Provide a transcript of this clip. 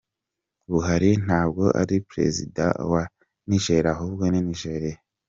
Buhari ntabwo ari president wa niger ahubwo ni nigeria.